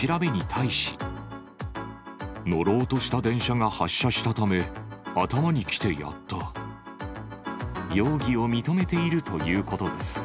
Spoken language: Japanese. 乗ろうとした電車が発車したため、容疑を認めているということです。